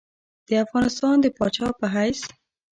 د افغانستان د پاچا په حیث.